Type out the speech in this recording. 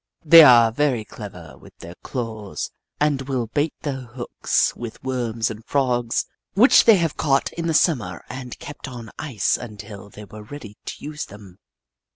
They are very clever with their claws and will bait their hooks with Worms and Frogs which they have caught in the Summer and kept on ice until they were ready to use them.